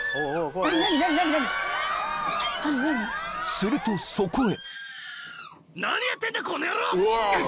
［するとそこへ］